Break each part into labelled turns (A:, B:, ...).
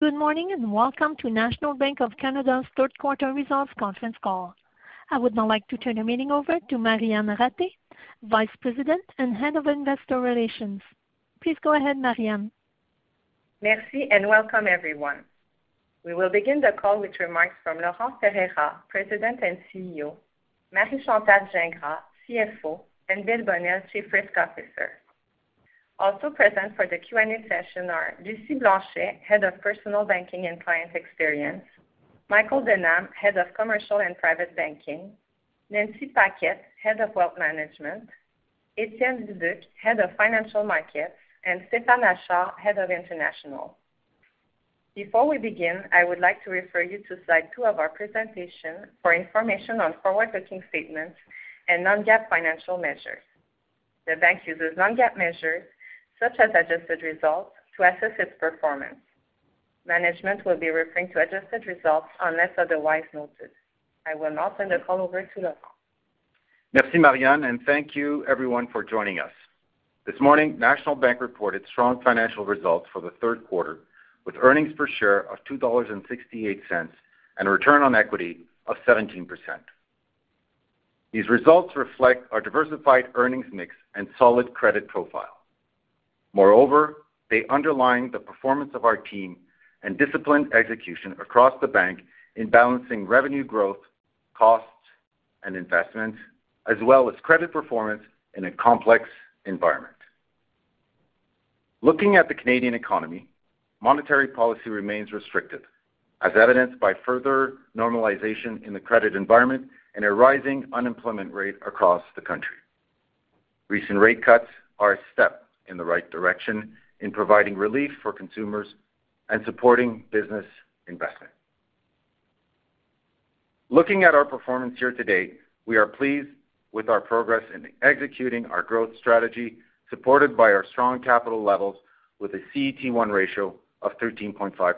A: Good morning, and welcome to National Bank of Canada's third quarter results conference call. I would now like to turn the meeting over to Marianne Ratté, Vice President and Head of Investor Relations. Please go ahead, Marianne.
B: Merci, and welcome everyone. We will begin the call with remarks from Laurent Ferreira, President and CEO, Marie-Chantal Gingras, CFO, and Bill Bonnell, Chief Risk Officer. Also present for the Q&A session are Lucie Blanchet, Head of Personal Banking and Client Experience, Michael Denham, Head of Commercial and Private Banking, Nancy Paquette, Head of Wealth Management, Étienne Dubuc, Head of Financial Markets, and Stéphane Achard, Head of International. Before we begin, I would like to refer you to slide two of our presentation for information on forward-looking statements and non-GAAP financial measures. The bank uses non-GAAP measures, such as adjusted results, to assess its performance. Management will be referring to adjusted results unless otherwise noted. I will now turn the call over to Laurent.
C: Merci, Marianne, and thank you everyone for joining us. This morning, National Bank of Canada reported strong financial results for the third quarter, with earnings per share of 2.68 dollars and a return on equity of 17%. These results reflect our diversified earnings mix and solid credit profile. Moreover, they underline the performance of our team and disciplined execution across the bank in balancing revenue growth, costs, and investments, as well as credit performance in a complex environment. Looking at the Canadian economy, monetary policy remains restricted, as evidenced by further normalization in the credit environment and a rising unemployment rate across the country. Recent rate cuts are a step in the right direction in providing relief for consumers and supporting business investment. Looking at our performance year-to-date, we are pleased with our progress in executing our growth strategy, supported by our strong capital levels with a CET1 ratio of 13.5%.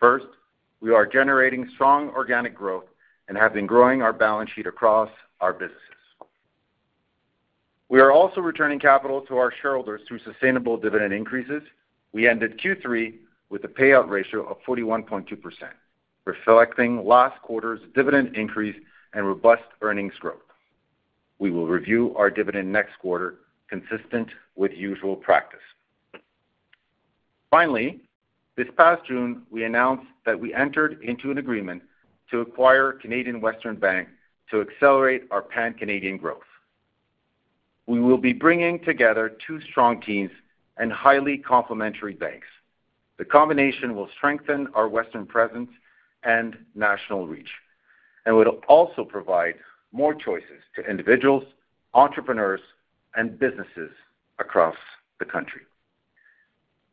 C: First, we are generating strong organic growth and have been growing our balance sheet across our businesses. We are also returning capital to our shareholders through sustainable dividend increases. We ended Q3 with a payout ratio of 41.2%, reflecting last quarter's dividend increase and robust earnings growth. We will review our dividend next quarter, consistent with usual practice. Finally, this past June, we announced that we entered into an agreement to acquire Canadian Western Bank to accelerate our pan-Canadian growth. We will be bringing together two strong teams and highly complementary banks. The combination will strengthen our Western presence and national reach, and it'll also provide more choices to individuals, entrepreneurs, and businesses across the country.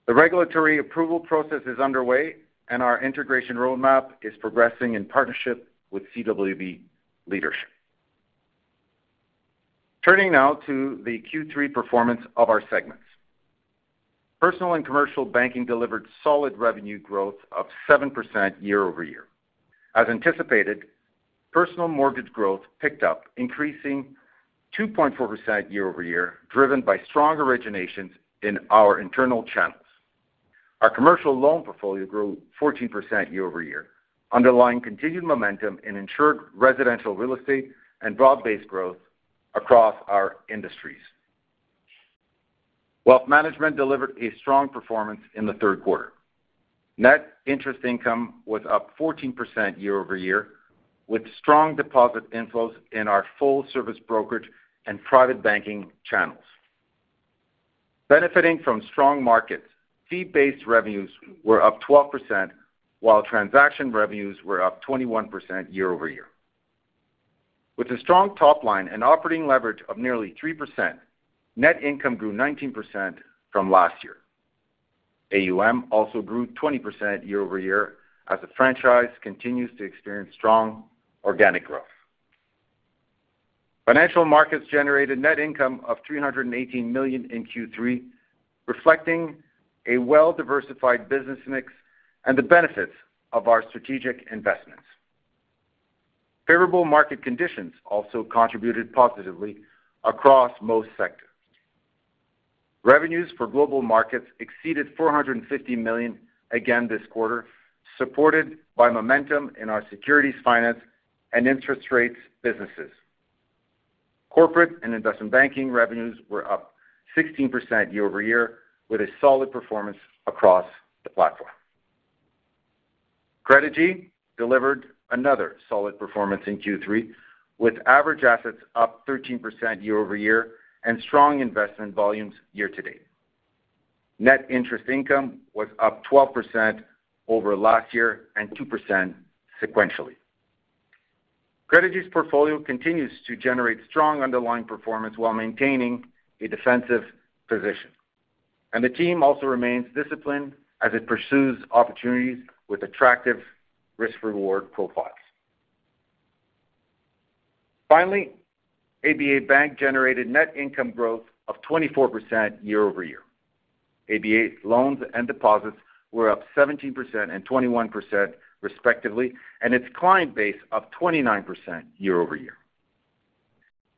C: The regulatory approval process is underway, and our integration roadmap is progressing in partnership with CWB leadership. Turning now to the Q3 performance of our segments. Personal and commercial banking delivered solid revenue growth of 7% year-over-year. As anticipated, personal mortgage growth picked up, increasing 2.4% year-over-year, driven by strong originations in our internal channels. Our commercial loan portfolio grew 14% year-over-year, underlying continued momentum in insured residential real estate and broad-based growth across our industries. Wealth management delivered a strong performance in the third quarter. Net interest income was up 14% year-over-year, with strong deposit inflows in our full service brokerage and private banking channels. Benefiting from strong markets, fee-based revenues were up 12%, while transaction revenues were up 21% year-over-year. With a strong top line and operating leverage of nearly 3%, net income grew 19% from last year. AUM also grew 20% year-over-year, as the franchise continues to experience strong organic growth. Financial markets generated net income of 318 million in Q3, reflecting a well-diversified business mix and the benefits of our strategic investments. Favorable market conditions also contributed positively across most sectors. Revenues for global markets exceeded 450 million again this quarter, supported by momentum in our securities, finance, and interest rates businesses. Corporate and investment banking revenues were up 16% year-over-year, with a solid performance across the platform. Credigy delivered another solid performance in Q3, with average assets up 13% year-over-year and strong investment volumes year-to-date. Net interest income was up 12% over last year and 2% sequentially. Credigy's portfolio continues to generate strong underlying performance while maintaining a defensive position, and the team also remains disciplined as it pursues opportunities with attractive risk-reward profiles. Finally, ABA Bank generated net income growth of 24% year-over-year. ABA's loans and deposits were up 17% and 21%, respectively, and its client base up 29% year-over-year.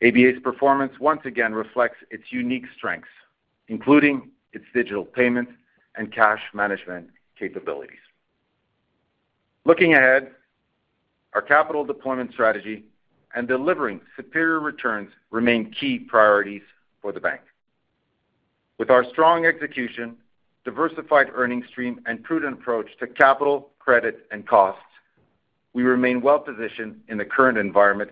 C: ABA's performance once again reflects its unique strengths, including its digital payment and cash management capabilities. Looking ahead, our capital deployment strategy and delivering superior returns remain key priorities for the bank. With our strong execution, diversified earnings stream, and prudent approach to capital, credit, and costs, we remain well-positioned in the current environment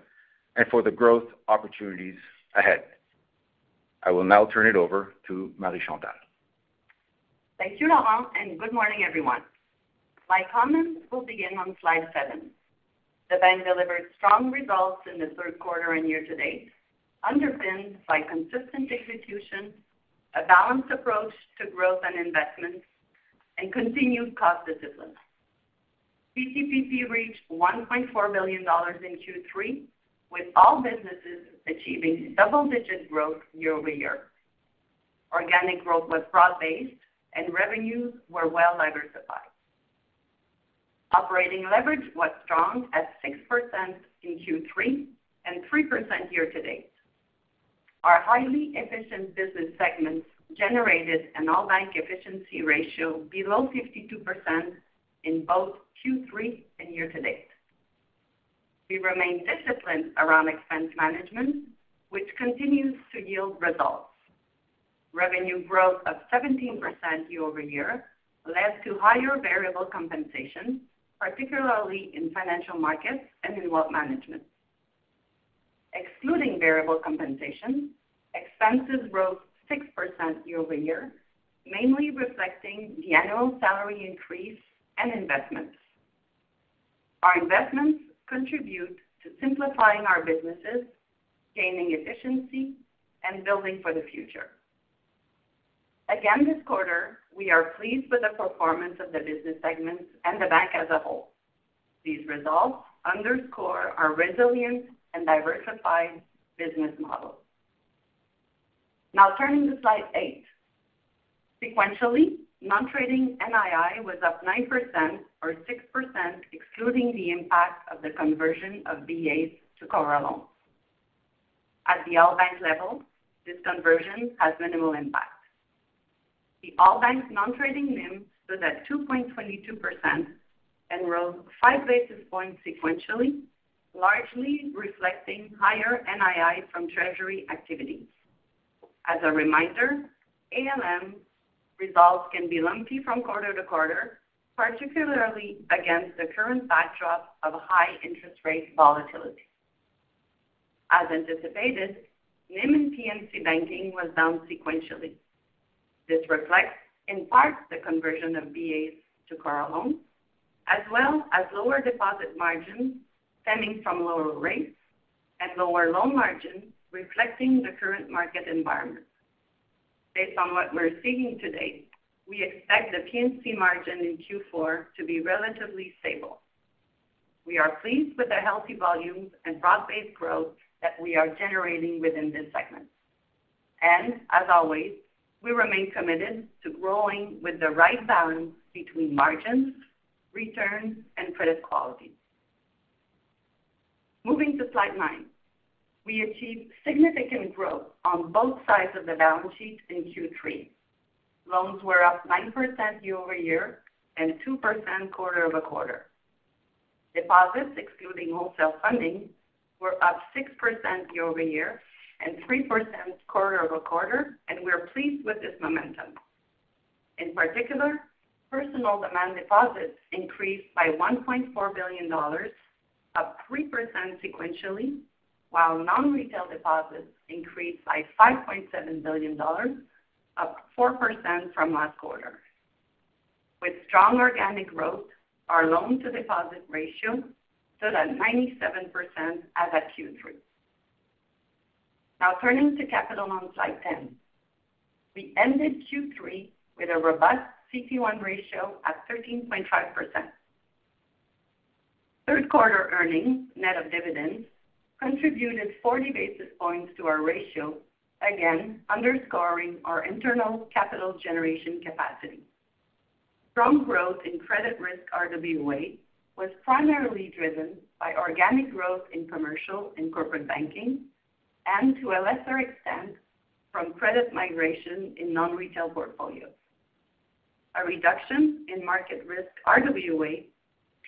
C: and for the growth opportunities ahead. I will now turn it over to Marie-Chantal.
D: Thank you, Laurent, and good morning, everyone. My comments will begin on Slide 7. The bank delivered strong results in the third quarter and year-to-date, underpinned by consistent execution, a balanced approach to growth and investments, and continued cost discipline. PTPP reached 1.4 billion dollars in Q3, with all businesses achieving double-digit growth year-over-year. Organic growth was broad-based, and revenues were well-diversified. Operating leverage was strong at 6% in Q3 and 3% year-to-date. Our highly efficient business segments generated an all-bank efficiency ratio below 52% in both Q3 and year-to-date. We remain disciplined around expense management, which continues to yield results. Revenue growth of 17% year-over-year led to higher variable compensation, particularly in financial markets and in wealth management. Excluding variable compensation, expenses rose 6% year-over-year, mainly reflecting the annual salary increase and investments. Our investments contribute to simplifying our businesses, gaining efficiency, and building for the future. Again, this quarter, we are pleased with the performance of the business segments and the bank as a whole. These results underscore our resilient and diversified business model. Now turning to Slide 8, sequentially, non-trading NII was up 9%, or 6%, excluding the impact of the conversion of BAs to CORRA. At the all bank level, this conversion has minimal impact. The all bank's non-trading NIM was at 2.22% and rose 5 basis points sequentially, largely reflecting higher NII from treasury activities. As a reminder, ALM results can be lumpy from quarter-to-quarter, particularly against the current backdrop of high interest rate volatility. As anticipated, NIM in P&C Banking was down sequentially. This reflects, in part, the conversion of BAs to CORRA, as well as lower deposit margins stemming from lower rates and lower loan margins, reflecting the current market environment. Based on what we're seeing today, we expect the P&C margin in Q4 to be relatively stable. We are pleased with the healthy volumes and broad-based growth that we are generating within this segment. And as always, we remain committed to growing with the right balance between margins, returns, and credit quality. Moving to Slide 9. We achieved significant growth on both sides of the balance sheet in Q3. Loans were up 9% year-over-year and 2% quarter-over-quarter. Deposits, excluding wholesale funding, were up 6% year-over-year and 3% quarter-over-quarter, and we're pleased with this momentum. In particular, personal demand deposits increased by 1.4 billion dollars, up 3% sequentially, while non-retail deposits increased by 5.7 billion dollars, up 4% from last quarter. With strong organic growth, our loan-to-deposit ratio stood at 97% as at Q3. Now turning to capital on Slide 10. We ended Q3 with a robust CET1 ratio at 13.5%. Third quarter earnings, net of dividends, contributed 40 basis points to our ratio, again, underscoring our internal capital generation capacity. Strong growth in credit risk RWA was primarily driven by organic growth in commercial and corporate banking, and to a lesser extent, from credit migration in non-retail portfolios. A reduction in market risk RWA,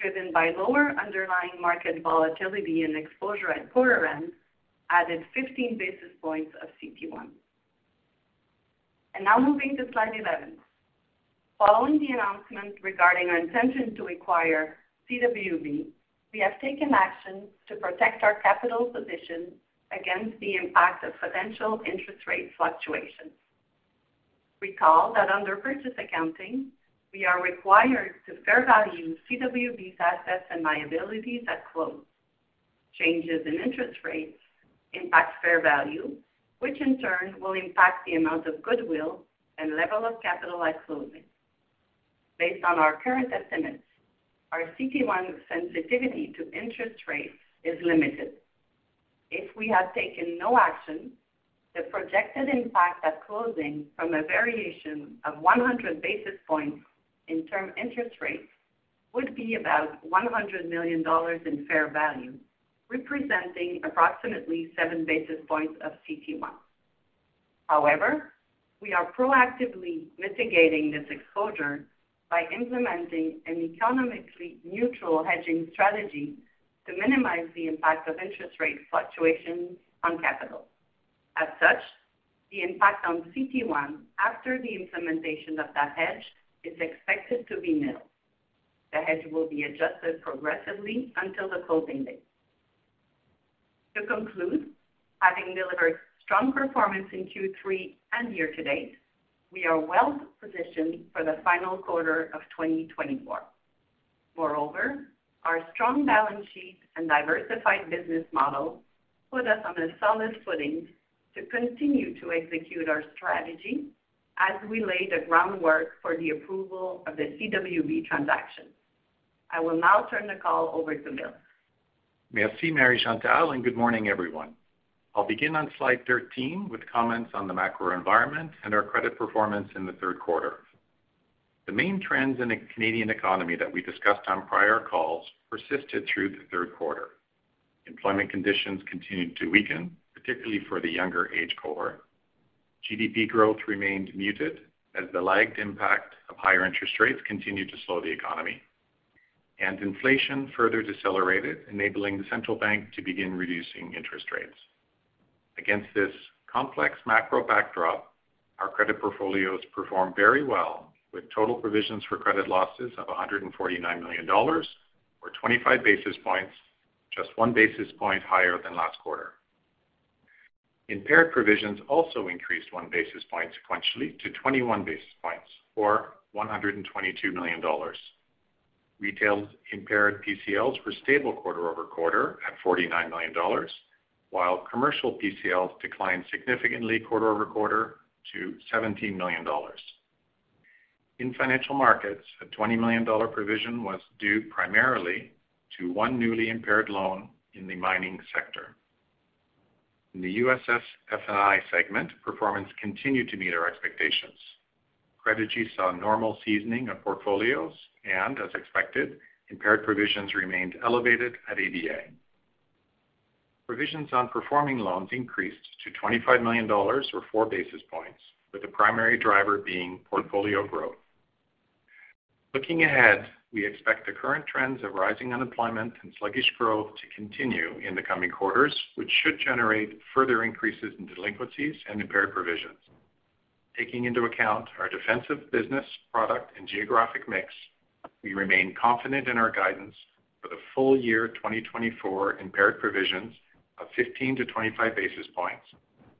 D: driven by lower underlying market volatility and exposure at quarter end, added 15 basis points of CET1. Now moving to Slide 11. Following the announcement regarding our intention to acquire CWB, we have taken action to protect our capital position against the impact of potential interest rate fluctuations. Recall that under purchase accounting, we are required to fair value CWB's assets and liabilities at close. Changes in interest rates impact fair value, which in turn will impact the amount of goodwill and level of capital at closing. Based on our current estimates, our CET1 sensitivity to interest rates is limited. If we had taken no action, the projected impact at closing from a variation of one hundred basis points in term interest rates would be about 100 million dollars in fair value, representing approximately seven basis points of CET1. However, we are proactively mitigating this exposure by implementing an economically neutral hedging strategy to minimize the impact of interest rate fluctuations on capital. As such, the impact on CET1 after the implementation of that hedge is expected to be nil. The hedge will be adjusted progressively until the closing date. To conclude, having delivered strong performance in Q3 and year-to-date, we are well-positioned for the final quarter of 2024. Moreover, our strong balance sheet and diversified business model put us on a solid footing to continue to execute our strategy as we lay the groundwork for the approval of the CWB transaction. I will now turn the call over to Bill.
E: Merci, Marie-Chantal, and good morning, everyone. I'll begin on Slide 13 with comments on the macro environment and our credit performance in the third quarter. The main trends in the Canadian economy that we discussed on prior calls persisted through the third quarter. Employment conditions continued to weaken, particularly for the younger age cohort. GDP growth remained muted as the lagged impact of higher interest rates continued to slow the economy, and inflation further decelerated, enabling the central bank to begin reducing interest rates. Against this complex macro backdrop, our credit portfolios performed very well, with total provisions for credit losses of 149 million dollars, or 25 basis points, just 1 basis point higher than last quarter. Impaired provisions also increased 1 basis point sequentially to 21 basis points or 122 million dollars. Retail's impaired PCLs were stable quarter-over-quarter at 49 million dollars, while commercial PCLs declined significantly quarter-over-quarter to 17 million dollars. In Financial Markets, a 20 million dollar provision was due primarily to one newly impaired loan in the mining sector. In the U.S. and International segment, performance continued to meet our expectations. Credigy saw normal seasoning of portfolios, and as expected, impaired provisions remained elevated at ABA. Provisions on performing loans increased to 25 million dollars or 4 basis points, with the primary driver being portfolio growth. Looking ahead, we expect the current trends of rising unemployment and sluggish growth to continue in the coming quarters, which should generate further increases in delinquencies and impaired provisions. Taking into account our defensive business, product and geographic mix, we remain confident in our guidance for the full year 2024 impaired provisions of 15-25 basis points,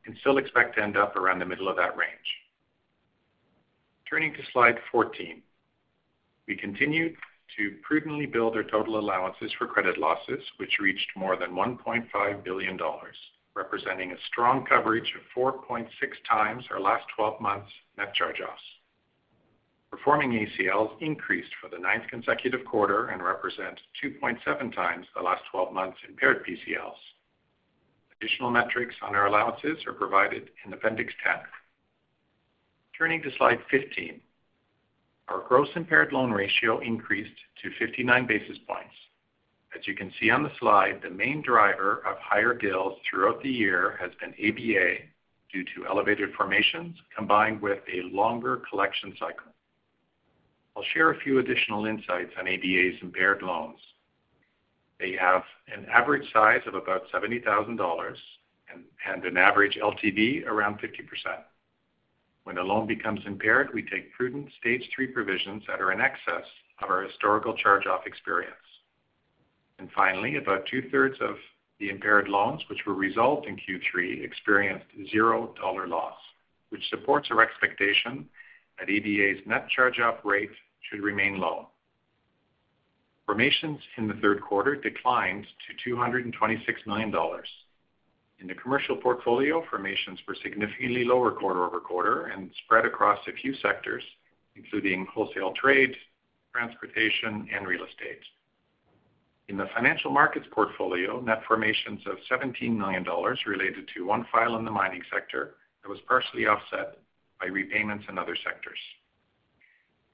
E: and still expect to end up around the middle of that range. Turning to Slide 14. We continued to prudently build our total allowances for credit losses, which reached more than 1.5 billion dollars, representing a strong coverage of 4.6x our last twelve months net charge-offs. Performing ACLs increased for the ninth consecutive quarter and represent 2.7x the last 12 months impaired PCLs. Additional metrics on our allowances are provided in Appendix 10. Turning to Slide 15, our gross impaired loan ratio increased to 59 basis points. As you can see on the slide, the main driver of higher GILs throughout the year has been ABA due to elevated formations combined with a longer collection cycle. I'll share a few additional insights on ABA's impaired loans. They have an average size of about 70,000 dollars and an average LTV around 50%. When a loan becomes impaired, we take prudent Stage Three provisions that are in excess of our historical charge-off experience. And finally, about 2/3s of the impaired loans, which were resolved in Q3, experienced zero dollar loss, which supports our expectation that ABA's net charge-off rate should remain low. Formations in the third quarter declined to 226 million dollars. In the commercial portfolio, formations were significantly lower quarter-over-quarter and spread across a few sectors, including wholesale trade, transportation, and real estate. In the financial markets portfolio, net formations of 17 million dollars related to one file in the mining sector that was partially offset by repayments in other sectors.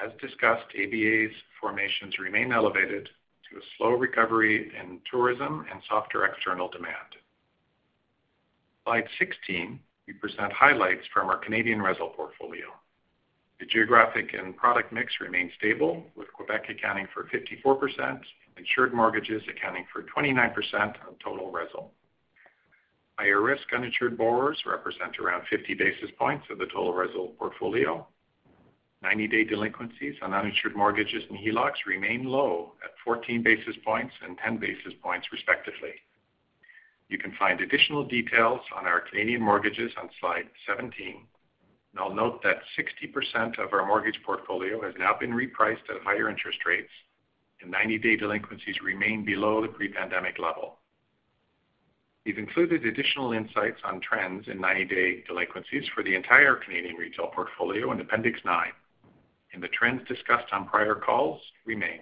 E: As discussed, ABA's formations remain elevated due to a slow recovery in tourism and softer external demand. Slide 16, we present highlights from our Canadian RESL portfolio. The geographic and product mix remains stable, with Quebec accounting for 54%, insured mortgages accounting for 29% of total RESL. Higher risk uninsured borrowers represent around 50 basis points of the total RESL portfolio. 90-day delinquencies on uninsured mortgages and HELOCs remain low at 14 basis points and 10 basis points, respectively. You can find additional details on our Canadian mortgages on Slide 17. I'll note that 60% of our mortgage portfolio has now been repriced at higher interest rates, and 90-day delinquencies remain below the pre-pandemic level. We've included additional insights on trends in 90-day delinquencies for the entire Canadian retail portfolio in Appendix IX, and the trends discussed on prior calls remain.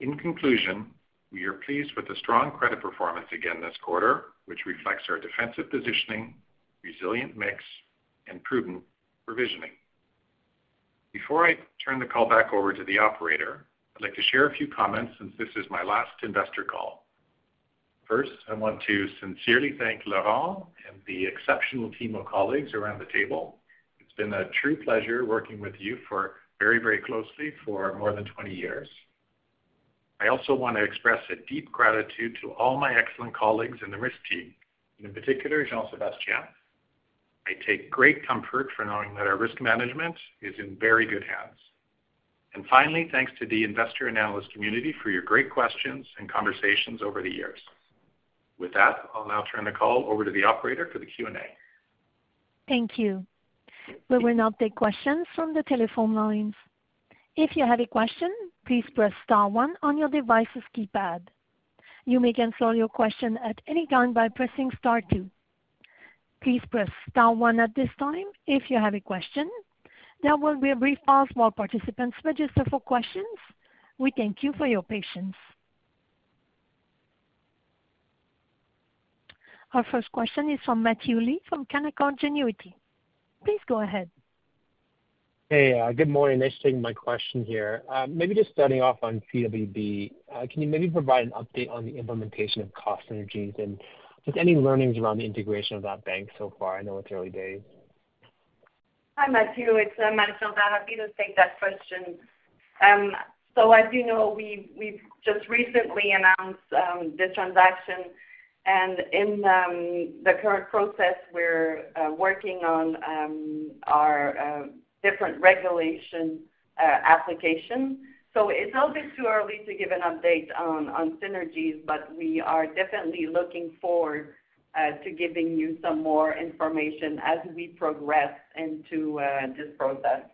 E: In conclusion, we are pleased with the strong credit performance again this quarter, which reflects our defensive positioning, resilient mix, and prudent provisioning. Before I turn the call back over to the operator, I'd like to share a few comments since this is my last investor call. First, I want to sincerely thank Laurent and the exceptional team of colleagues around the table. It's been a true pleasure working with you very, very closely for more than 20 years. I also want to express a deep gratitude to all my excellent colleagues in the risk team, and in particular, Jean-Sébastien. I take great comfort in knowing that our risk management is in very good hands. Finally, thanks to the investor analyst community for your great questions and conversations over the years. With that, I'll now turn the call over to the operator for the Q&A.
A: Thank you. We will now take questions from the telephone lines. If you have a question, please press star one on your device's keypad. You may cancel your question at any time by pressing star two. Please press star one at this time if you have a question. There will be a brief pause while participants register for questions. We thank you for your patience. Our first question is from Matthew Lee from Canaccord Genuity. Please go ahead.
F: Hey, good morning. Thanks for taking my question here. Maybe just starting off on CWB. Can you maybe provide an update on the implementation of cost synergies and just any learnings around the integration of that bank so far? I know it's early days.
D: Hi, Matthew, Marie-Chantal. happy to take that question. So as you know, we've just recently announced the transaction, and in the current process, we're working on our different regulation application. So it's a bit too early to give an update on synergies, but we are definitely looking forward to giving you some more information as we progress into this process.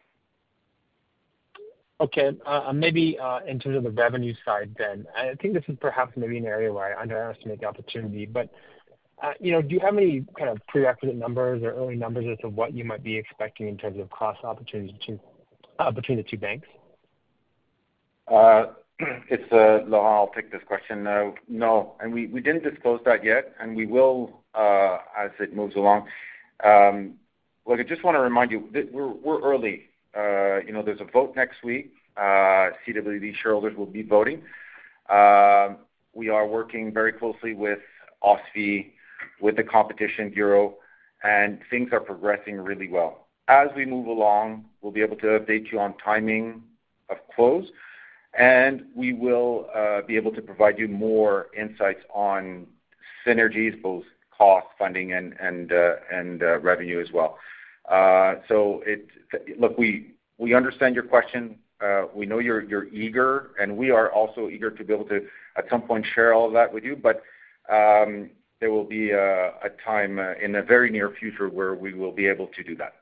F: Okay. Maybe, in terms of the revenue side then, I think this is perhaps maybe an area where I underestimate the opportunity, but, you know, do you have any kind of pre-acquisition numbers or early numbers as to what you might be expecting in terms of cost opportunities between, between the two banks?
C: It's Laurent, I'll take this question. No, and we didn't disclose that yet, and we will as it moves along. Look, I just want to remind you that we're early. You know, there's a vote next week. CWB shareholders will be voting. We are working very closely with OSFI, with the Competition Bureau, and things are progressing really well. As we move along, we'll be able to update you on timing of close, and we will be able to provide you more insights on synergies, both cost, funding and revenue as well. So look, we understand your question. We know you're eager, and we are also eager to be able to, at some point, share all that with you. There will be a time in the very near future where we will be able to do that.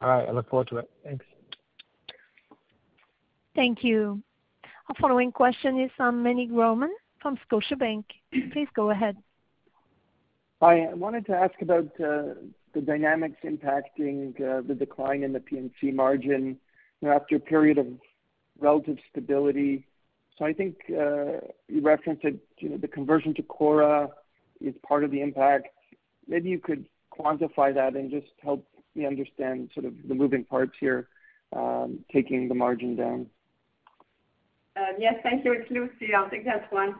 F: All right. I look forward to it. Thanks.
A: Thank you. Our following question is from Meny Grauman from Scotiabank. Please go ahead.
G: Hi, I wanted to ask about the dynamics impacting the decline in the NIM after a period of relative stability. So I think you referenced that, you know, the conversion to CORRA is part of the impact. Maybe you could quantify that and just help me understand sort of the moving parts here taking the margin down.
H: Yes, thank you. It's Lucie. I'll take that one.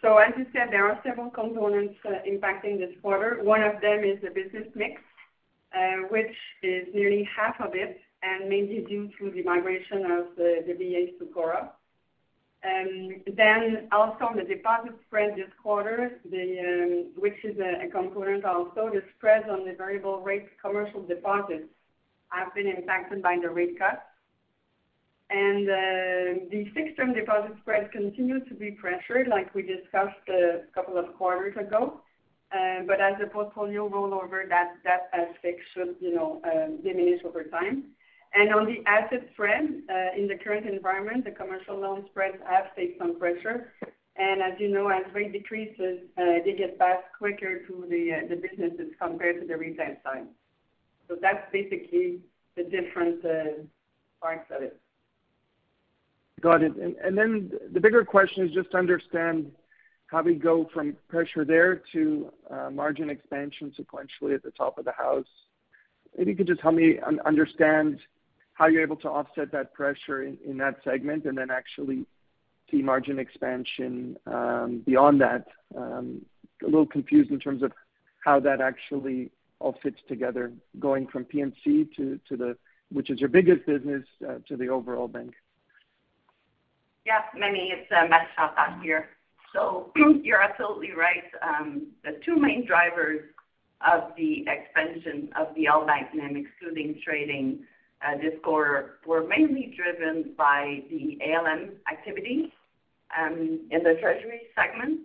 H: So as you said, there are several components impacting this quarter. One of them is the business mix, which is nearly half of it, and mainly due to the migration of the BA to CORRA. Then also on the deposit spread this quarter, which is a component also, the spread on the variable rate commercial deposits have been impacted by the rate cuts. And the fixed-term deposit spreads continue to be pressured, like we discussed a couple of quarters ago. But as the portfolio roll over, that aspect should, you know, diminish over time. And on the asset spread, in the current environment, the commercial loan spreads have taken some pressure, and as you know, as rate decreases, they get back quicker to the businesses compared to the retail side. So that's basically the different parts of it.
G: Got it. And then the bigger question is just to understand how we go from pressure there to margin expansion sequentially at the top of the house. If you could just help me understand how you're able to offset that pressure in that segment and then actually see margin expansion beyond that. A little confused in terms of how that actually all fits together, going from P&C, which is your biggest business, to the overall bank.
D: Yeah, Meny, it's Marie-Chantal here. So you're absolutely right. The two main drivers of the expansion of the all bank NIM, excluding trading, this quarter, were mainly driven by the ALM activity in the treasury segment,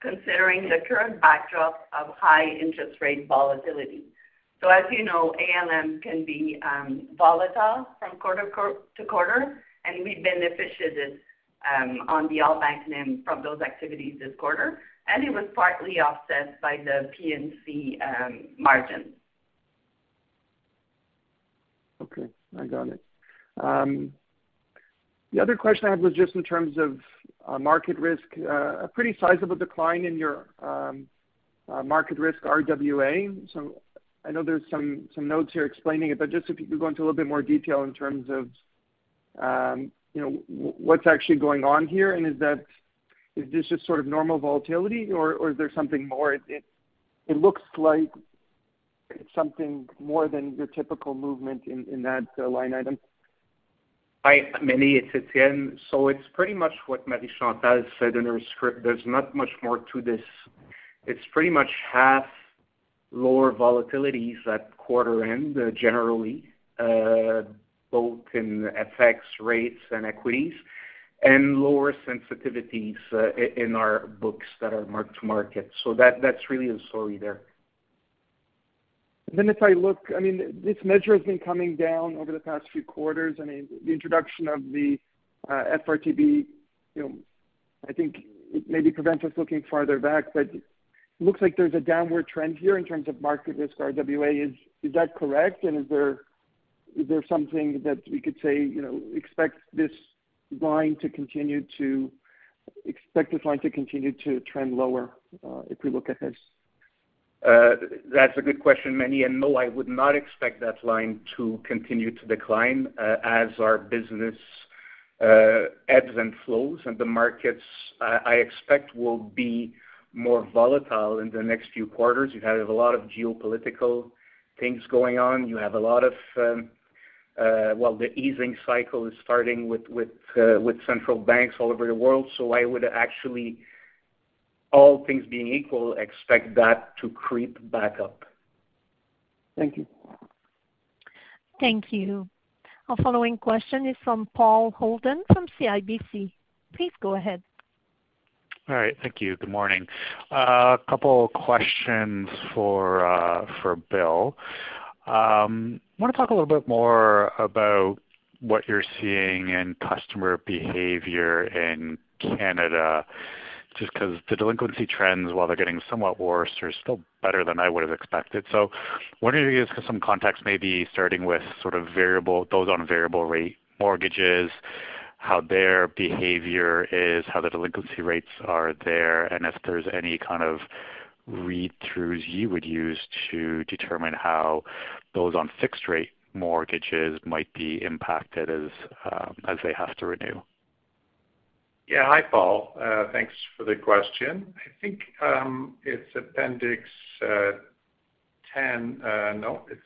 D: considering the current backdrop of high interest rate volatility. So as you know, ALM can be volatile from quarter-to-quarter, and we benefited on the all bank NIM from those activities this quarter, and it was partly offset by the P&C margin.
G: Okay, I got it. The other question I had was just in terms of market risk, a pretty sizable decline in your market risk RWA. So I know there's some notes here explaining it, but just if you could go into a little bit more detail in terms of, you know, what's actually going on here? And is this just sort of normal volatility, or is there something more? It looks like it's something more than your typical movement in that line item.
I: Hi, Meny, it's Étienne. It's pretty much what Marie-Chantal said in her script. There's not much more to this. It's pretty much half lower volatilities at quarter end, generally, both in FX rates and equities, and lower sensitivities in our books that are marked to market. That's really the story there.
G: Then if I look—I mean, this measure has been coming down over the past few quarters. I mean, the introduction of the FRTB, you know, I think it maybe prevents us looking farther back. But it looks like there's a downward trend here in terms of market risk RWA. Is that correct? And is there something that we could say, you know, expect this line to continue to trend lower, if we look at this?
C: That's a good question, Meny, and no, I would not expect that line to continue to decline, as our business ebbs and flows, and the markets, I expect will be more volatile in the next few quarters. You have a lot of geopolitical things going on. You have a lot of. Well, the easing cycle is starting with central banks all over the world. So I would actually, all things being equal, expect that to creep back up.
G: Thank you.
A: Thank you. Our following question is from Paul Holden from CIBC. Please go ahead.
J: All right, thank you. Good morning. A couple questions for, for Bill. Want to talk a little bit more about what you're seeing in customer behavior in Canada, just 'cause the delinquency trends, while they're getting somewhat worse, are still better than I would have expected. So wondering if you could give some context, maybe starting with sort of variable, those on variable rate mortgages, how their behavior is, how the delinquency rates are there, and if there's any kind of read-throughs you would use to determine how those on fixed rate mortgages might be impacted as, as they have to renew.
E: Yeah. Hi, Paul, thanks for the question. I think it's Appendix X, no, it's,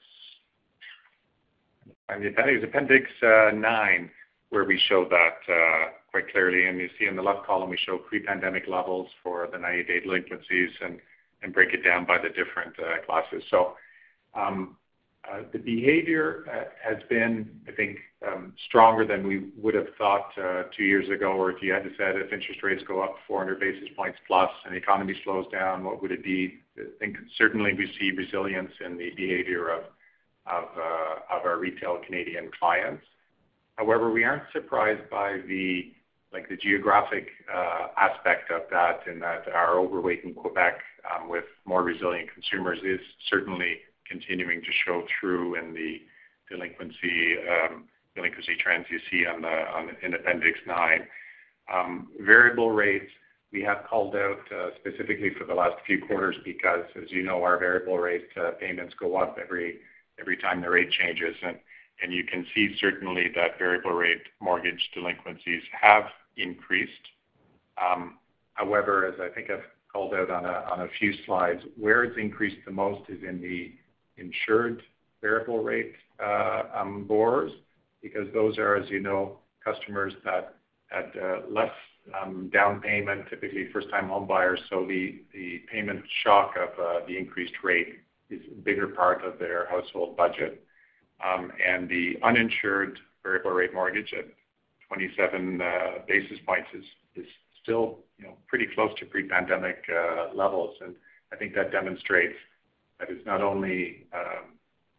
E: I mean, I think it's appendix IX, where we show that quite clearly. And you see in the left column, we show pre-pandemic levels for the ninety-day delinquencies and break it down by the different classes. So the behavior has been, I think, stronger than we would have thought two years ago, or if you had to say, if interest rates go up four hundred basis points plus and the economy slows down, what would it be? I think certainly we see resilience in the behavior of our retail Canadian clients. However, we aren't surprised by the, like, the geographic aspect of that, in that our overweight in Quebec with more resilient consumers is certainly continuing to show through in the delinquency trends you see in appendix nine. Variable rates, we have called out specifically for the last few quarters because, as you know, our variable rate payments go up every time the rate changes. You can see certainly that variable rate mortgage delinquencies have increased. However, as I think I've called out on a few slides, where it's increased the most is in the insured variable rate borrowers, because those are, as you know, customers that had less down payment, typically first-time home buyers. So the payment shock of the increased rate is a bigger part of their household budget. And the uninsured variable rate mortgage at 27 basis points is still, you know, pretty close to pre-pandemic levels. And I think that demonstrates that it's not only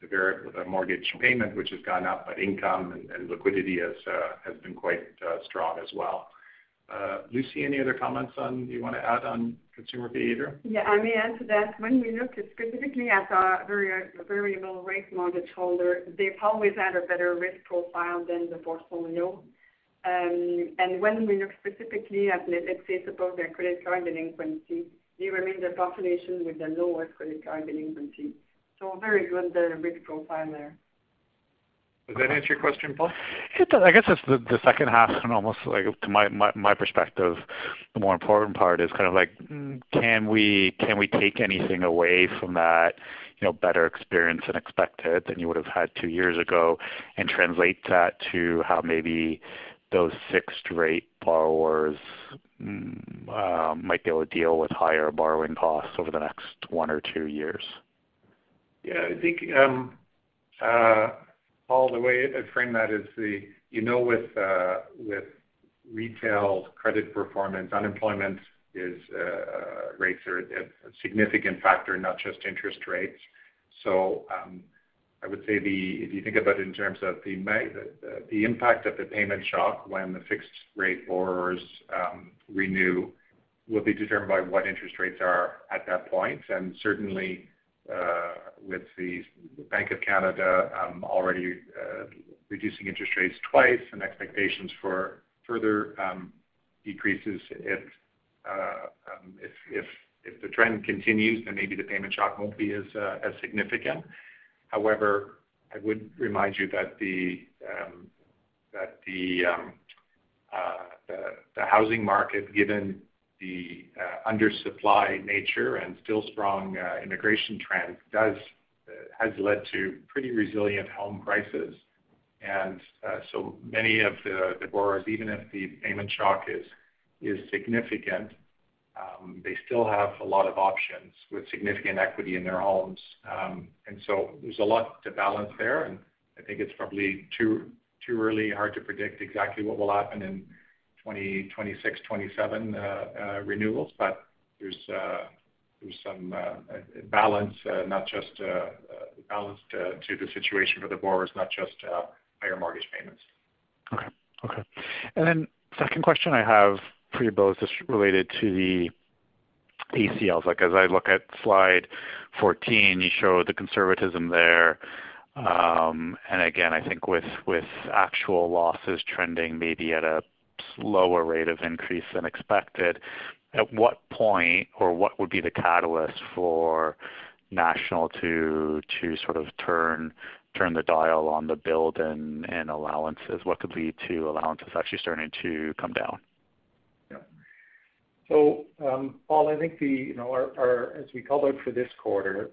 E: the mortgage payment which has gone up, but income and liquidity has been quite strong as well. Lucie, any other comments on? Do you want to add on consumer behavior?
H: Yeah, I may add to that. When we look specifically at our variable rate mortgage holder, they've always had a better risk profile than the portfolio, and when we look specifically at, let's say, suppose their credit card delinquency, they remain the population with the lowest credit card delinquency. So very good, the risk profile there.
E: Does that answer your question, Paul?
J: It does. I guess it's the second half and almost, like, to my perspective, the more important part is kind of like, can we take anything away from that, you know, better experience than expected than you would have had two years ago, and translate that to how maybe those fixed rate borrowers might be able to deal with higher borrowing costs over the next one or two years?
E: Yeah, I think, Paul, the way I'd frame that is the, you know, with, with retail credit performance, unemployment is, rates are a, a significant factor, not just interest rates. So, I would say the-- if you think about it in terms of the impact of the payment shock when the fixed rate borrowers, renew.... will be determined by what interest rates are at that point. And certainly, with the Bank of Canada, already, reducing interest rates twice and expectations for further, decreases, if, if the trend continues, then maybe the payment shock won't be as, as significant. However, I would remind you that the housing market, given the, undersupply nature and still strong, immigration trend, has led to pretty resilient home prices. So many of the borrowers, even if the payment shock is significant, they still have a lot of options with significant equity in their homes. So there's a lot to balance there, and I think it's probably too early, hard to predict exactly what will happen in 2026, 2027 renewals. But there's some balance to the situation for the borrowers, not just higher mortgage payments.
J: Okay, okay. And then second question I have for you both is related to the ACLs. Like, as I look at slide fourteen, you show the conservatism there. And again, I think with actual losses trending maybe at a slower rate of increase than expected, at what point, or what would be the catalyst for National to sort of turn the dial on the build and allowances? What could lead to allowances actually starting to come down?
E: Yeah. So, Paul, I think the, you know, our as we called out for this quarter,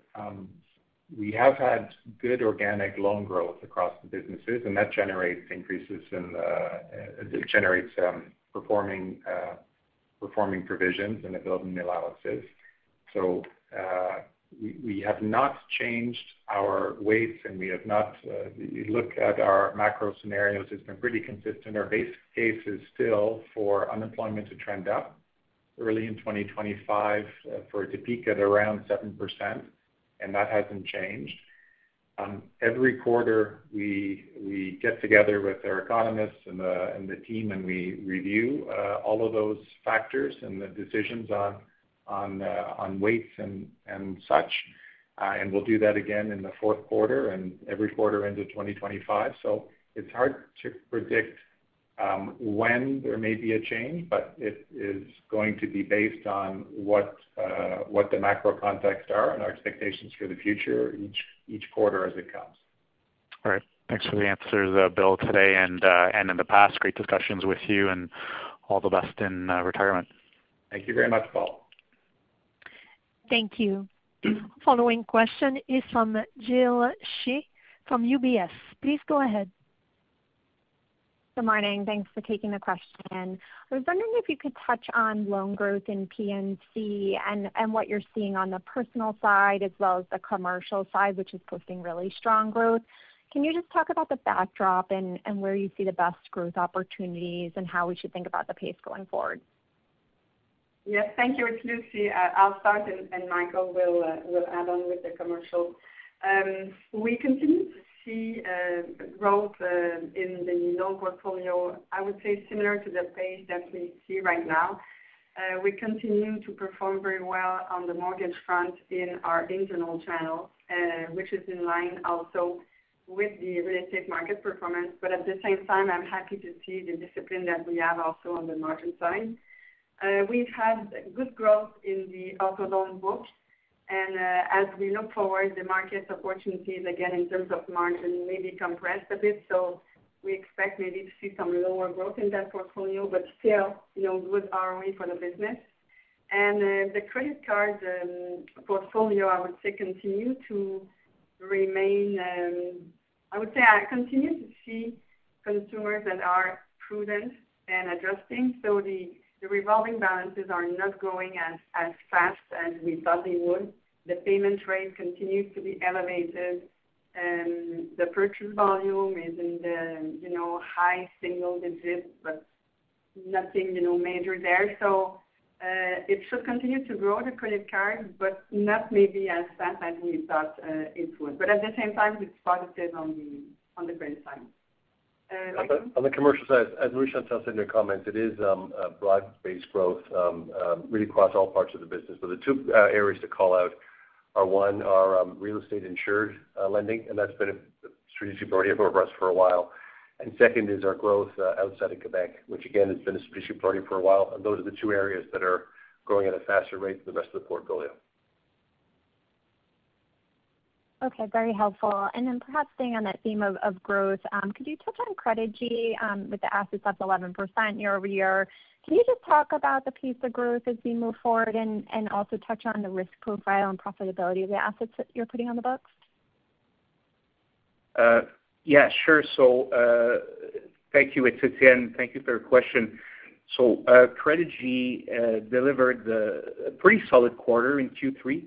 E: we have had good organic loan growth across the businesses, and that generates increases in performing provisions in the build and the allowances. So, we have not changed our weights, and we have not. You look at our macro scenarios, it's been pretty consistent. Our base case is still for unemployment to trend up early in 2025, for it to peak at around 7%, and that hasn't changed. Every quarter, we get together with our economists and the team, and we review all of those factors and the decisions on weights and such. And we'll do that again in the fourth quarter and every quarter into 2025. It's hard to predict when there may be a change, but it is going to be based on what the macro context are and our expectations for the future each quarter as it comes.
J: All right. Thanks for the answers, Bill, today and in the past. Great discussions with you and all the best in retirement.
E: Thank you very much, Paul.
A: Thank you. Following question is from Jill Shea from UBS. Please go ahead.
K: Good morning. Thanks for taking the question. I was wondering if you could touch on loan growth in P&C and what you're seeing on the personal side, as well as the commercial side, which is posting really strong growth. Can you just talk about the backdrop and where you see the best growth opportunities and how we should think about the pace going forward?
H: Yes, thank you. It's Lucie. I'll start and Michael will add on with the commercial. We continue to see growth in the loan portfolio, I would say, similar to the pace that we see right now. We continue to perform very well on the mortgage front in our internal channel, which is in line also with the real estate market performance. But at the same time, I'm happy to see the discipline that we have also on the margin side. We've had good growth in the auto loan books, and as we look forward, the market opportunities, again, in terms of margin, may be compressed a bit. So we expect maybe to see some lower growth in that portfolio, but still, you know, good ROE for the business. The credit card portfolio, I would say I continue to see consumers that are prudent in adjusting, so the revolving balances are not growing as fast as we thought they would. The payment rate continues to be elevated, the purchase volume is in the, you know, high single digits, but nothing, you know, major there. So, it should continue to grow the credit card, but not maybe as fast as we thought it would. But at the same time, it's positive on the credit side. Michael?
L: On the commercial side, as Lucie said in her comments, it is a broad-based growth really across all parts of the business. But the two areas to call out are, one, our real estate insured lending, and that's been a strategy priority for us for a while. And second is our growth outside of Quebec, which again, has been a strategy priority for a while. And those are the two areas that are growing at a faster rate than the rest of the portfolio.
K: Okay, very helpful. And then perhaps staying on that theme of growth, could you touch on Credigy, with the assets up 11% year-over-year? Can you just talk about the pace of growth as we move forward and also touch on the risk profile and profitability of the assets that you're putting on the books?
I: Yeah, sure. So, thank you, it's Étienne. Thank you for your question. So, Credigy delivered a pretty solid quarter in Q3.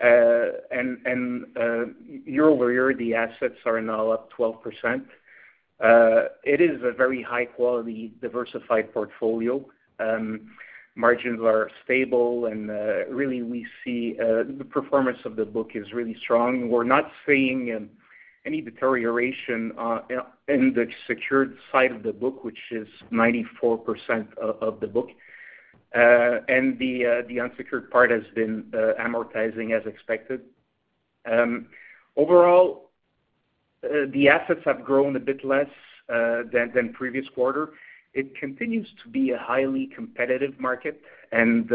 I: And year-over-year, the assets are now up 12%. It is a very high-quality, diversified portfolio. Margins are stable, and really, we see the performance of the book is really strong. We're not seeing any deterioration in the secured side of the book, which is 94% of the book. And the unsecured part has been amortizing as expected. Overall, the assets have grown a bit less than previous quarter. It continues to be a highly competitive market, and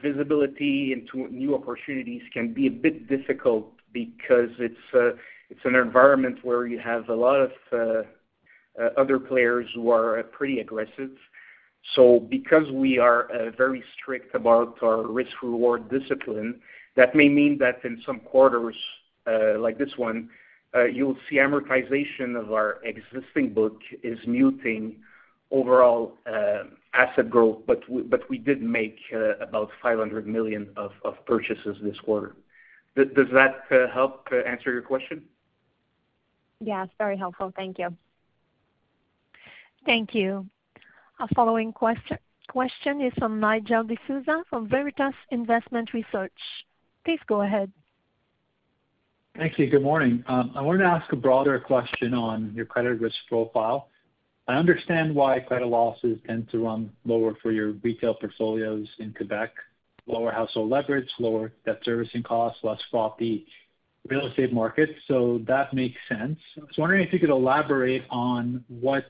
I: visibility into new opportunities can be a bit difficult because it's an environment where you have a lot of other players who are pretty aggressive. So because we are very strict about our risk-reward discipline, that may mean that in some quarters, like this one, you'll see amortization of our existing book is muting overall asset growth, but we did make about 500 million of purchases this quarter. Does that help answer your question?
K: Yes, very helpful. Thank you.
A: Thank you. Our following question is from Nigel D'Souza from Veritas Investment Research. Please go ahead.
M: Thank you. Good morning. I wanted to ask a broader question on your credit risk profile. I understand why credit losses tend to run lower for your retail portfolios in Quebec, lower household leverage, lower debt servicing costs, less faulty real estate markets, so that makes sense. I was wondering if you could elaborate on what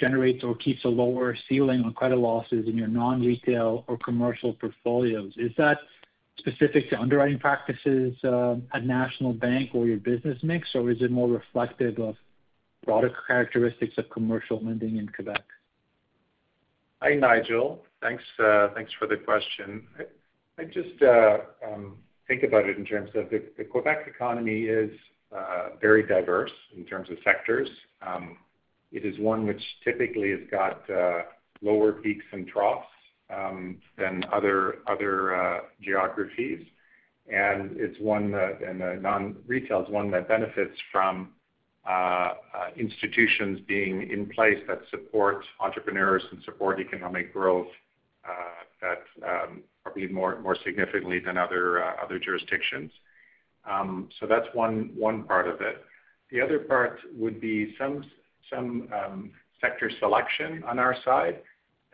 M: generates or keeps a lower ceiling on credit losses in your non-retail or commercial portfolios. Is that specific to underwriting practices at National Bank or your business mix, or is it more reflective of product characteristics of commercial lending in Quebec?
E: Hi, Nigel. Thanks, thanks for the question. I just think about it in terms of the Quebec economy is very diverse in terms of sectors. It is one which typically has got lower peaks and troughs than other geographies. And it's one that, and, non-retail is one that benefits from institutions being in place that support entrepreneurs and support economic growth, that, probably more significantly than other jurisdictions. So that's one part of it. The other part would be some sector selection on our side.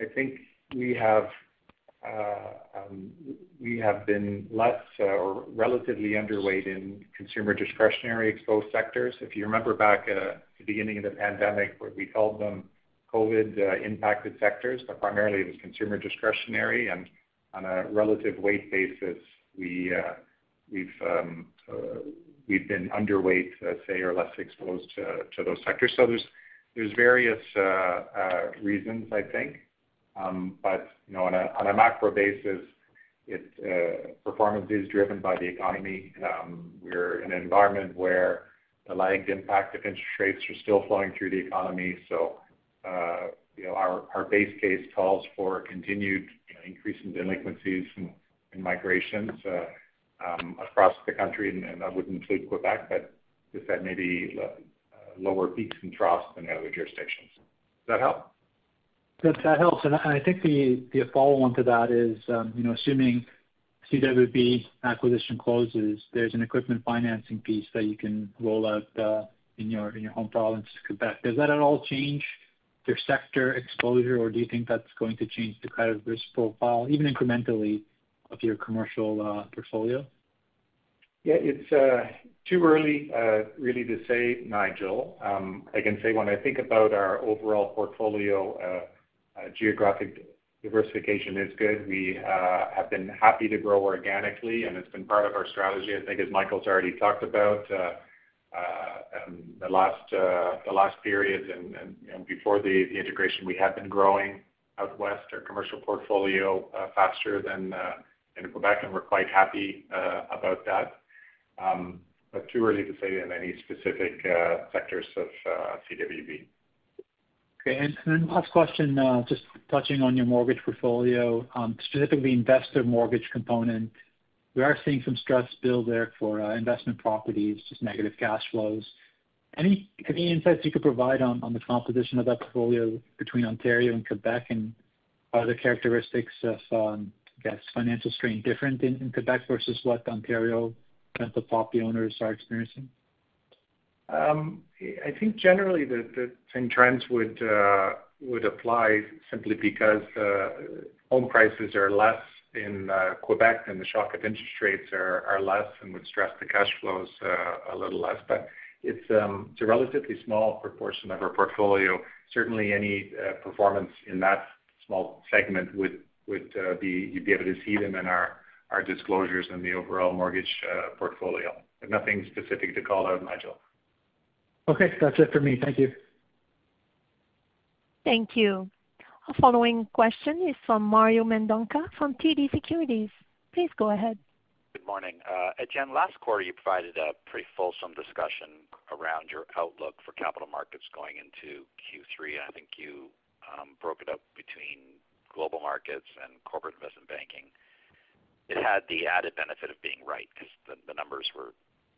E: I think we have been less or relatively underweight in consumer discretionary exposed sectors. If you remember back at the beginning of the pandemic, where we called them COVID impacted sectors, but primarily it was consumer discretionary, and on a relative weight basis, we've been underweight, let's say, or less exposed to those sectors, so there's various reasons, I think, but you know, on a macro basis, it's performance is driven by the economy. We're in an environment where the lagged impact of interest rates are still flowing through the economy, so you know, our base case calls for continued increase in delinquencies and migrations across the country, and that would include Quebec, but with that maybe lower peaks and troughs than other jurisdictions. Does that help?
M: That helps. And I think the follow-on to that is, you know, assuming CWB acquisition closes, there's an equipment financing piece that you can roll out in your home province, Quebec. Does that at all change your sector exposure, or do you think that's going to change the credit risk profile, even incrementally, of your commercial portfolio?
E: Yeah, it's too early really to say, Nigel. I can say when I think about our overall portfolio, geographic diversification is good. We have been happy to grow organically, and it's been part of our strategy. I think, as Michael's already talked about, the last period and, you know, before the integration, we have been growing out west, our commercial portfolio faster than in Quebec, and we're quite happy about that. But too early to say in any specific sectors of CWB.
M: Okay. And then last question, just touching on your mortgage portfolio, specifically investor mortgage component. We are seeing some stress build there for investment properties, just negative cash flows. Any insights you could provide on the composition of that portfolio between Ontario and Quebec, and are the characteristics of financial strain different in Quebec versus what Ontario rental property owners are experiencing?
E: I think generally the same trends would apply simply because home prices are less in Quebec, and the shock of interest rates are less and would stress the cash flows a little less. But it's a relatively small proportion of our portfolio. Certainly any performance in that small segment would be. You'd be able to see them in our disclosures in the overall mortgage portfolio. But nothing specific to call out, Nigel.
M: Okay. That's it for me. Thank you.
A: Thank you. Our following question is from Mario Mendonca from TD Securities. Please go ahead.
N: Good morning. Again, last quarter, you provided a pretty fulsome discussion around your outlook for capital markets going into Q3. I think you broke it up between global markets and corporate investment banking. It had the added benefit of being right, because the numbers were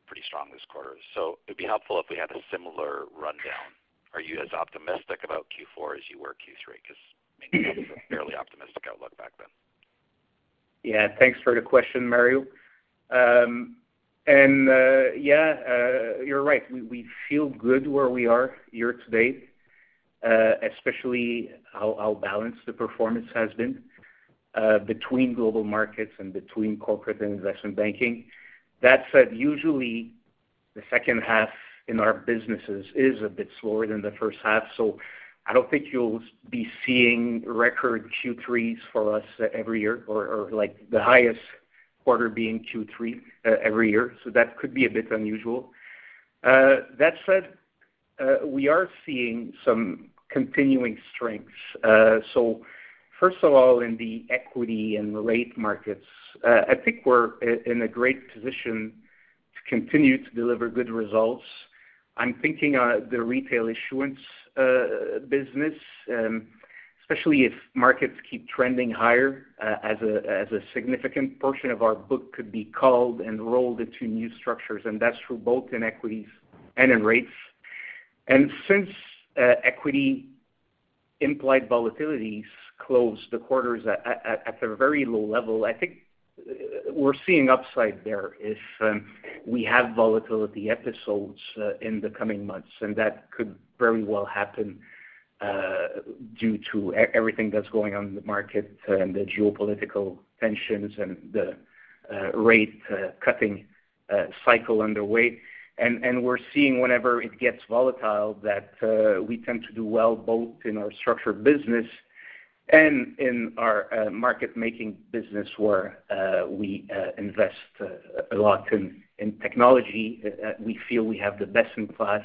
N: pretty strong this quarter. So it'd be helpful if we had a similar rundown. Are you as optimistic about Q4 as you were Q3? Because maybe that was a fairly optimistic outlook back then.
I: Yeah, thanks for the question, Mario. And, yeah, you're right. We feel good where we are year-to-date, especially how balanced the performance has been, between global markets and between corporate and investment banking. That said, usually the second half in our businesses is a bit slower than the first half. So I don't think you'll be seeing record Q3s for us every year, or, or like, the highest quarter being Q3, every year, so that could be a bit unusual. That said, we are seeing some continuing strengths. So first of all, in the equity and rate markets, I think we're in a great position to continue to deliver good results. I'm thinking of the retail issuance business, especially if markets keep trending higher, as a significant portion of our book could be called and rolled into new structures, and that's true both in equities and in rates. And since equity-implied volatilities closed the quarters at a very low level, I think we're seeing upside there if we have volatility episodes in the coming months, and that could very well happen due to everything that's going on in the market and the geopolitical tensions and the rate cutting cycle underway. And we're seeing whenever it gets volatile, that we tend to do well both in our structured business and in our market-making business, where we invest a lot in technology. We feel we have the best-in-class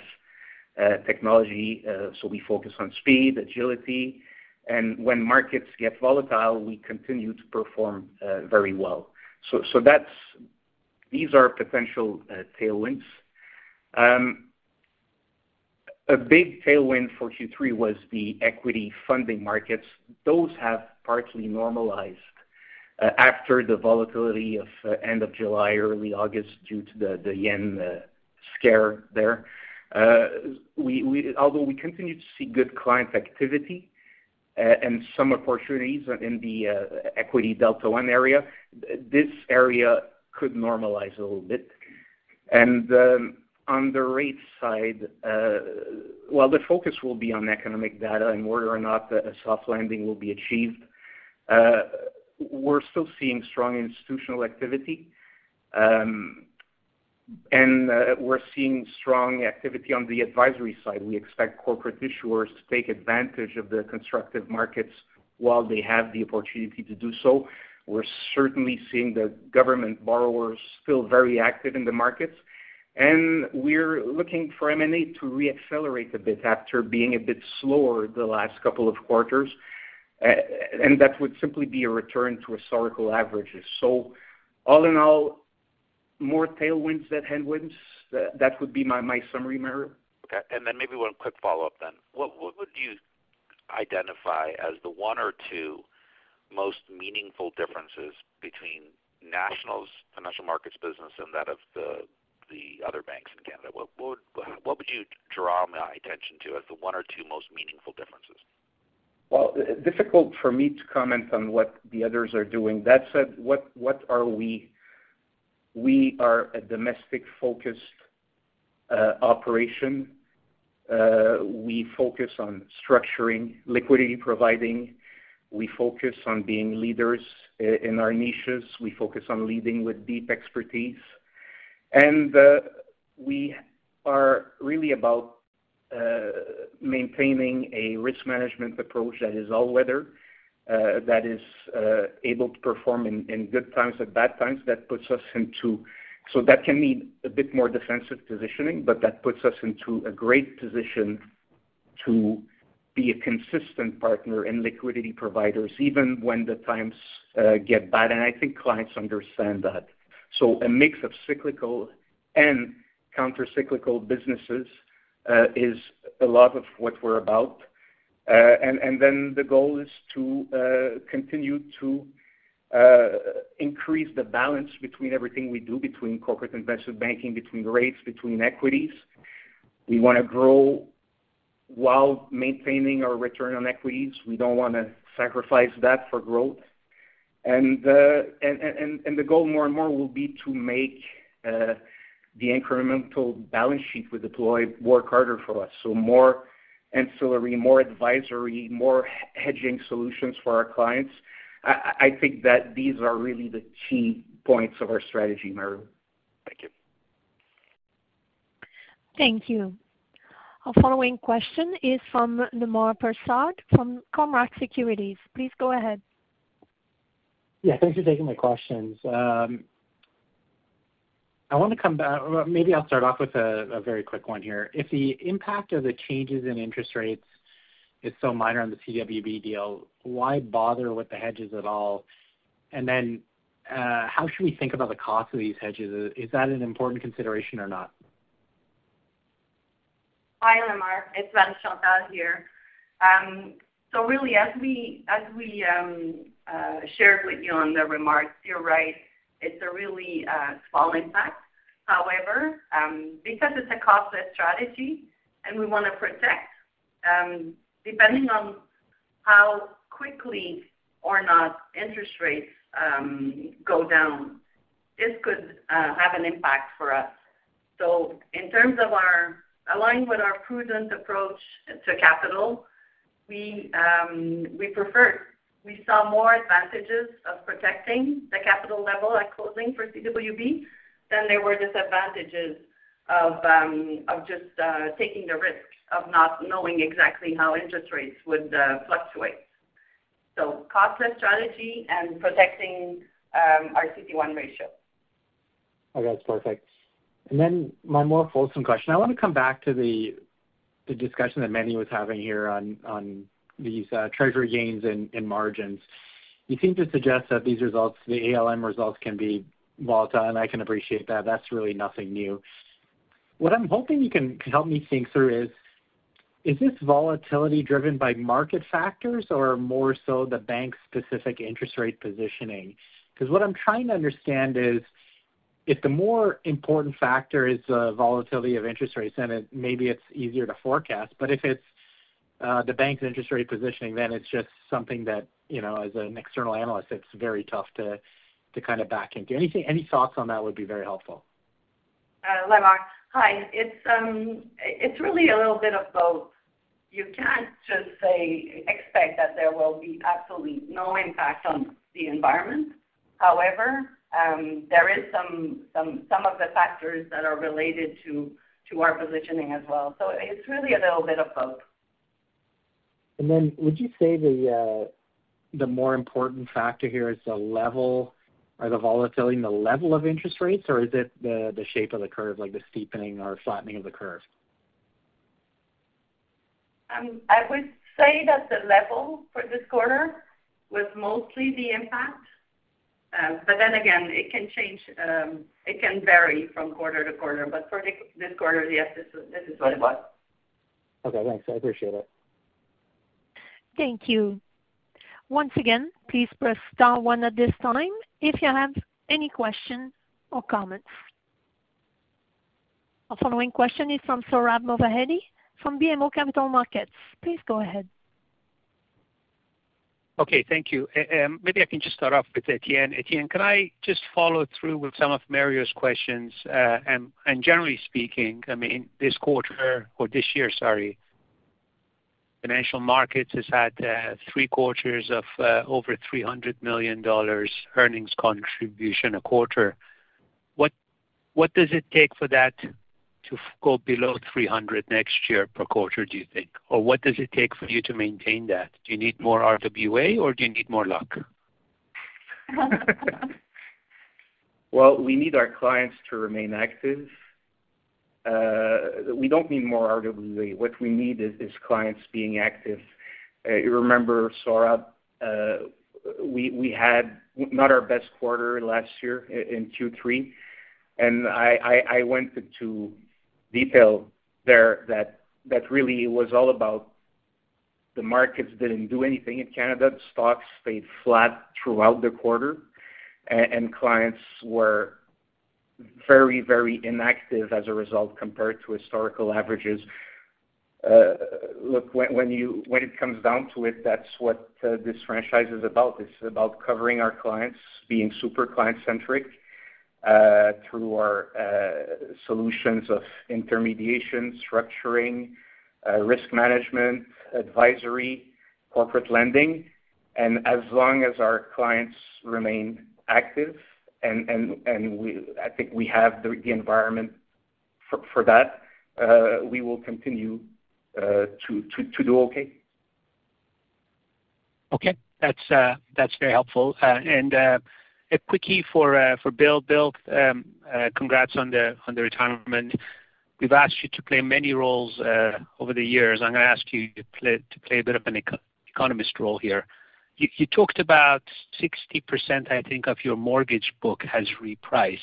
I: technology, so we focus on speed, agility, and when markets get volatile, we continue to perform very well. So that's. These are potential tailwinds. A big tailwind for Q3 was the equity funding markets. Those have partly normalized after the volatility of end of July, early August, due to the yen scare there. Although we continue to see good client activity and some opportunities in the equity Delta One area, this area could normalize a little bit. And on the rate side, while the focus will be on economic data and whether or not a soft landing will be achieved, we're still seeing strong institutional activity. And we're seeing strong activity on the advisory side. We expect corporate issuers to take advantage of the constructive markets while they have the opportunity to do so. We're certainly seeing the government borrowers still very active in the markets, and we're looking for M&A to reaccelerate a bit after being a bit slower the last couple of quarters, and that would simply be a return to historical averages, so all in all, more tailwinds than headwinds. That would be my summary, Mario.
N: Okay, and then maybe one quick follow-up then. What would you identify as the one or two most meaningful differences between National's financial markets business and that of the other banks in Canada? What would you draw my attention to as the one or two most meaningful differences?
I: Well, difficult for me to comment on what the others are doing. That said, what, what are we? We are a domestic-focused operation. We focus on structuring, liquidity providing. We focus on being leaders in our niches. We focus on leading with deep expertise. And we are really about maintaining a risk management approach that is all-weather, that is able to perform in good times and bad times. That puts us into. So that can mean a bit more defensive positioning, but that puts us into a great position to be a consistent partner in liquidity providers, even when the times get bad, and I think clients understand that. So a mix of cyclical and countercyclical businesses is a lot of what we're about. And then the goal is to continue to increase the balance between everything we do, between corporate investment banking, between rates, between equities. We want to grow while maintaining our return on equities. We don't want to sacrifice that for growth. And the goal more and more will be to make the incremental balance sheet we deploy work harder for us, so more ancillary, more advisory, more hedging solutions for our clients. I think that these are really the key points of our strategy, Mario.
N: Thank you.
A: Thank you. Our following question is from Lemar Persaud from Cormark Securities. Please go ahead.
O: Yeah, thanks for taking my questions. I want to come back - well, maybe I'll start off with a very quick one here. If the impact of the changes in interest rates is so minor on the CWB deal, why bother with the hedges at all? And then, how should we think about the cost of these hedges? Is that an important consideration or not?
D: Hi, Lemar. It's Marie-Chantal here. So really, as we shared with you on the remarks, you're right, it's a really small impact. However, because it's a costless strategy and we want to protect, depending on how quickly or not interest rates go down, this could have an impact for us. So in terms of our aligned with our prudent approach to capital, we prefer. We saw more advantages of protecting the capital level at closing for CWB than there were disadvantages of just taking the risk of not knowing exactly how interest rates would fluctuate. So costless strategy and protecting our CET1 ratio.
O: Okay, that's perfect. And then my more fulsome question: I want to come back to the discussion that Meny was having here on these treasury gains and margins. You seem to suggest that these results, the ALM results, can be volatile, and I can appreciate that. That's really nothing new. What I'm hoping you can help me think through is this volatility driven by market factors or more so the bank's specific interest rate positioning? Because what I'm trying to understand is, if the more important factor is the volatility of interest rates, then it maybe it's easier to forecast, but if it's the bank's interest rate positioning, then it's just something that, you know, as an external analyst, it's very tough to kind of back into. Anything, any thoughts on that would be very helpful.
D: Lemar, hi. It's really a little bit of both. You can't just say, expect that there will be absolutely no impact on the environment. However, there is some of the factors that are related to our positioning as well. So it's really a little bit of both.
O: And then would you say the more important factor here is the level or the volatility and the level of interest rates, or is it the shape of the curve, like the steepening or flattening of the curve?
D: I would say that the level for this quarter was mostly the impact, but then again, it can change, it can vary from quarter-to-quarter, but for this quarter, yes, this is.
O: Okay, thanks. I appreciate it.
A: Thank you. Once again, please press star one at this time if you have any questions or comments. Our following question is from Sohrab Movahedi from BMO Capital Markets. Please go ahead.
P: Okay, thank you. Maybe I can just start off with Étienne. Étienne, can I just follow through with some of Mario's questions? And generally speaking, I mean, this quarter or this year, sorry, Financial Markets has had three quarters of over 300 million dollars earnings contribution a quarter. What does it take for that to go below 300 next year per quarter, do you think? Or what does it take for you to maintain that? Do you need more RWA, or do you need more luck?
I: We need our clients to remain active. We don't need more RWA. What we need is clients being active. You remember, Sohrab, we had not our best quarter last year in Q3, and I went into detail there that really was all about the markets didn't do anything in Canada. Stocks stayed flat throughout the quarter, and clients were very, very inactive as a result, compared to historical averages. Look, when it comes down to it, that's what this franchise is about. It's about covering our clients, being super client-centric through our solutions of intermediation, structuring, risk management, advisory, corporate lending. And as long as our clients remain active and we have the environment for that, we will continue to do okay.
P: Okay. That's very helpful. And a quickie for Bill. Bill, congrats on the retirement. We've asked you to play many roles over the years. I'm going to ask you to play a bit of an economist role here. You talked about 60%, I think, of your mortgage book has repriced.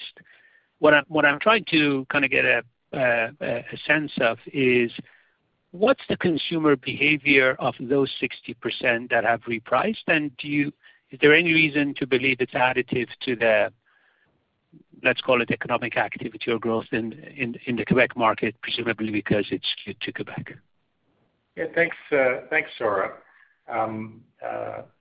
P: What I'm trying to kind of get a sense of is, what's the consumer behavior of those 60% that have repriced? And do you-- is there any reason to believe it's additive to the, let's call it, economic activity or growth in the Quebec market, presumably because it's skewed to Quebec?
E: Yeah, thanks, thanks, Sohrab. What I --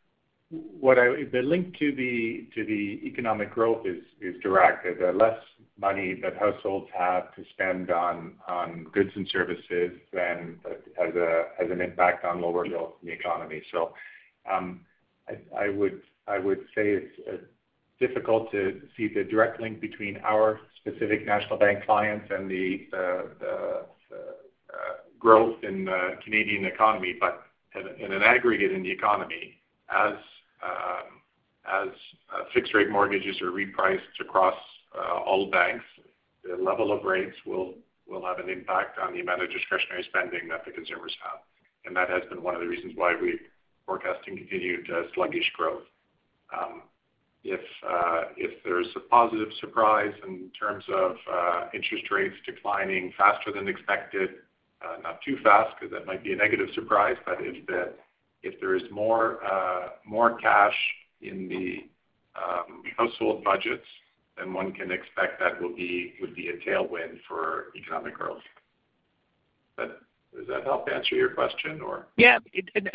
E: the link to the economic growth is direct. The less money that households have to spend on goods and services then has an impact on lower growth in the economy. So, I would say it's difficult to see the direct link between our specific National Bank clients and the growth in the Canadian economy. But at an aggregate in the economy, as fixed rate mortgages are repriced across all banks, the level of rates will have an impact on the amount of discretionary spending that the consumers have. And that has been one of the reasons why we're forecasting continued sluggish growth. If there's a positive surprise in terms of, interest rates declining faster than expected, not too fast, because that might be a negative surprise. But if there is more, more cash in the, household budgets, then one can expect that will be, would be a tailwind for economic growth. But does that help answer your question, or?
P: Yeah,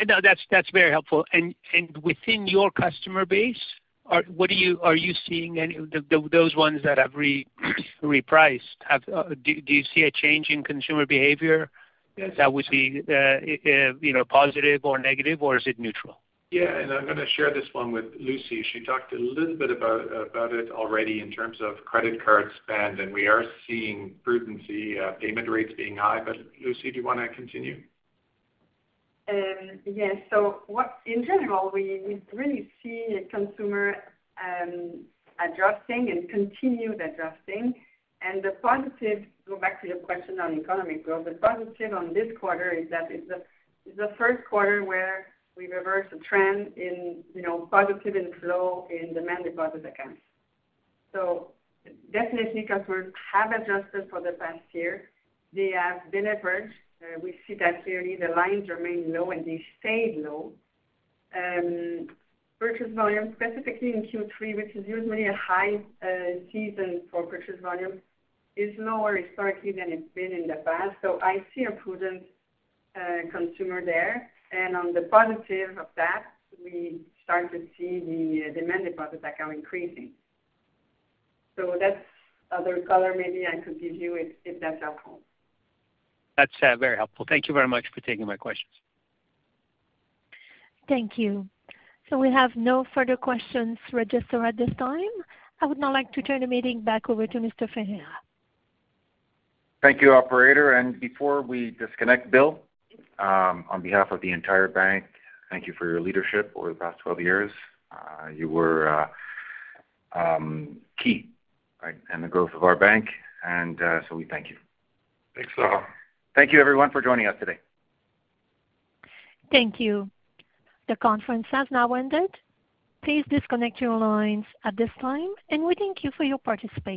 P: no, that's very helpful. And within your customer base, are you seeing any, the those ones that have repriced, have do you see a change in consumer behavior-That would be, you know, positive or negative, or is it neutral?
E: Yeah, and I'm gonna share this one with Lucie. She talked a little bit about it already in terms of credit card spend, and we are seeing prudence, payment rates being high. But Lucie, do you wanna continue?
H: Yes. So what, in general, we really see a consumer adjusting and continued adjusting. And the positive, go back to your question on economic growth, the positive on this quarter is that it's the first quarter where we reversed the trend in, you know, positive inflow in demand deposit accounts. So definitely, customers have adjusted for the past year. They have delevered. We see that clearly the lines remain low, and they stayed low. Purchase volume, specifically in Q3, which is usually a high season for purchase volume, is lower historically than it's been in the past. So I see a prudent consumer there. And on the positive of that, we start to see the demand deposit account increasing. So that's other color maybe I could give you, if that's helpful.
P: That's very helpful. Thank you very much for taking my questions.
A: Thank you. So we have no further questions registered at this time. I would now like to turn the meeting back over to Mr. Ferreira.
E: Thank you, operator, and before we disconnect, Bill, on behalf of the entire bank, thank you for your leadership over the past twelve years. You were key, right, in the growth of our bank, and so we thank you.
D: Thanks a lot.
E: Thank you everyone for joining us today.
A: Thank you. The conference has now ended. Please disconnect your lines at this time, and we thank you for your participation.